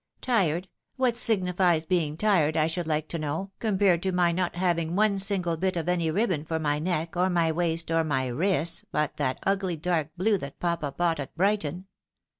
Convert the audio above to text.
" Tired ! What signifies being tired, I should like to know, compared to my not having one single bit of any ribbon for my neck, or my waist, or my wrists, but that ugly dark blue that papa bought at Brighton